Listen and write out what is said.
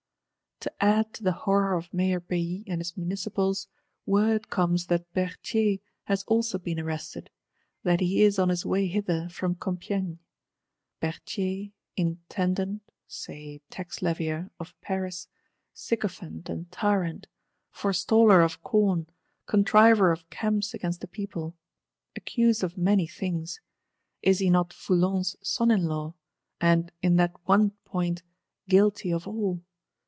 — To add to the horror of Mayor Bailly and his Municipals, word comes that Berthier has also been arrested; that he is on his way hither from Compiègne. Berthier, Intendant (say, Tax levier) of Paris; sycophant and tyrant; forestaller of Corn; contriver of Camps against the people;—accused of many things: is he not Foulon's son in law; and, in that one point, guilty of all?